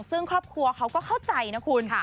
ซึ่งครอบครัวเขาก็เข้าใจนะคุณ